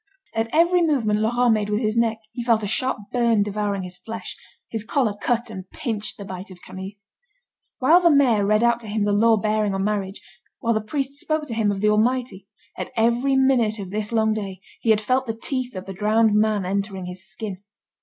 At every movement Laurent made with his neck, he felt a sharp burn devouring his flesh; his collar cut and pinched the bite of Camille. While the mayor read out to him the law bearing on marriage, while the priest spoke to him of the Almighty, at every minute of this long day, he had felt the teeth of the drowned man entering his skin.